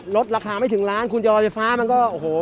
ลดราคาไม่ถึงล้านคุณจะลอยไฟฟ้ามันก็โอ้โห